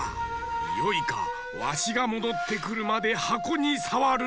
よいかわしがもどってくるまではこにさわるなよ。